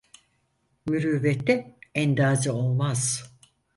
Mürüvvete endaze olmaz.